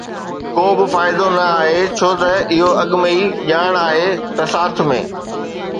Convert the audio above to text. ڪو به فائدو نه آهي ڇو ته اهو اڳ ۾ ئي ڄاڻ آهي ته ساٿ ۾